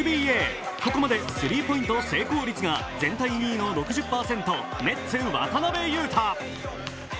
ここまでスリーポイント成功率が全体２位の６０％ネッツ・渡邊雄太。